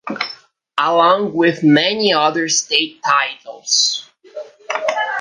Along with many other state titles.